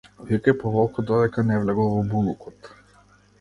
Викај по волкот, додека не влегол во булукот.